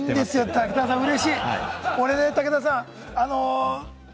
武田さん、うれしい。